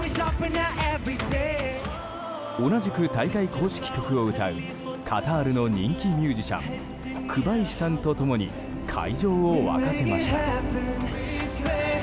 同じく大会公式曲を歌うカタールの人気ミュージシャンクバイシさんと共に会場を沸かせました。